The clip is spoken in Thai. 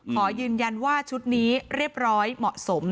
ขอยืนยันว่าชุดนี้เรียบร้อยเหมาะสม